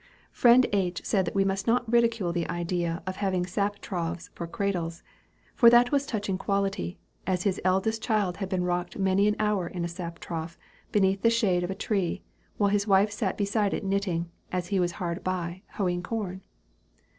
Friend H. said that we must not ridicule the idea of having sap troughs for cradles; for that was touching quality, as his eldest child had been rocked many an hour in a sap trough, beneath the shade of a tree, while his wife sat beside it knitting, and he was hard by, hoeing corn.